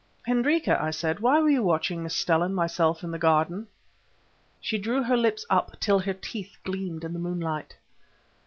"Hendrika," I said, "why were you watching Miss Stella and myself in the garden?" She drew her lips up till her teeth gleamed in the moonlight.